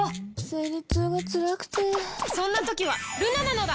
生理痛がつらくてそんな時はルナなのだ！